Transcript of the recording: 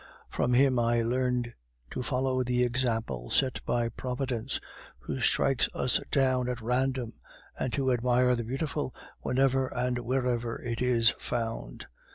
From him I learned to follow the example set us by Providence, who strikes us down at random, and to admire the beautiful whenever and wherever it is found.